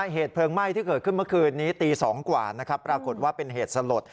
เหตุเพลิงไหม้ที่เกิดขึ้นเมื่อคืนนี้ตี๒กว่านะครับปรากฏว่าเป็นเหตุสลด